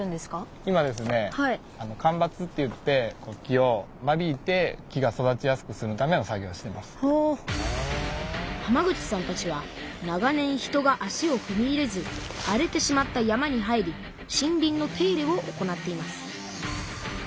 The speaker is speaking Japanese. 今ですね浜口さんたちは長年人が足をふみ入れず荒れてしまった山に入り森林の手入れを行っています